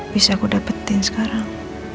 bisa aku dapetin sekarang